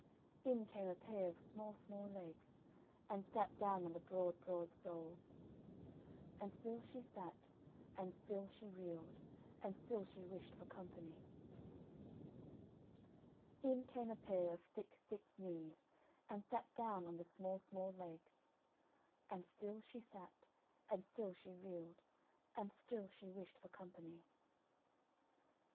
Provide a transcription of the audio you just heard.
In came a pair of small small legs, and sat down on the broad broad soles; And still she sat, and still she reeled, and still she wished for company. In came a pair of thick thick knees, and sat down on the small small legs; And still she sat, and still she reeled, and still she wished for company.